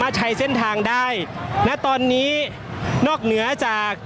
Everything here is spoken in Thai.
ก็น่าจะมีการเปิดทางให้รถพยาบาลเคลื่อนต่อไปนะครับ